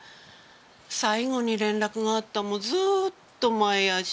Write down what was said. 最後に連絡があったのもずーっと前やし。